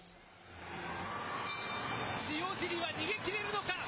塩尻は逃げきれるのか。